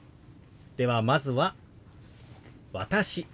ではまずは「私」。